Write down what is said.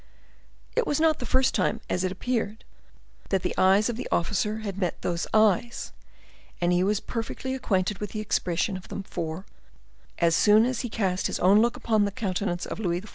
It was not the first time, as it appeared, that the eyes of the officer had met those eyes, and he was perfectly acquainted with the expression of them; for, as soon as he had cast his own look upon the countenance of Louis XIV.